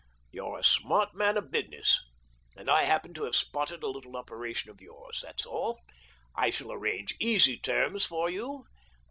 You're a smart man of business, and I happen to have spotted a little operation of yours, that's all. I shall arrange easy terms for you.